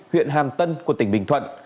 huyện hàm tân tỉnh bình thuận